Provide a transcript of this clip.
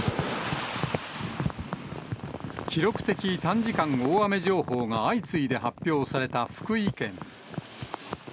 記録的短時間大雨情報が相次いで発表された福井県。